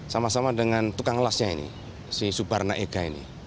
sama sama dengan tukang lasnya ini si subarna ega ini